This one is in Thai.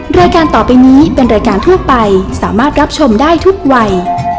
รายการต่อไปนี้เป็นรายการทั่วไปสามารถรับชมได้ทุกวัย